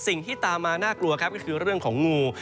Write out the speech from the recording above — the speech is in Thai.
สิ่งที่ตามมาน่ากลัวครับก็คือเรื่องของงู